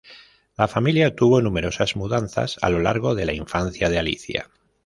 La familia tuvo numerosas mudanzas a lo largo de la infancia de Alicia.